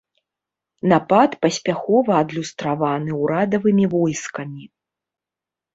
Напад паспяхова адлюстраваны ўрадавымі войскамі.